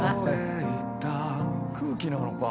空気なのか。